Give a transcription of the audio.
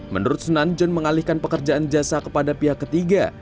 menurut sunan john mengalihkan pekerjaan jasa kepada pihak ketiga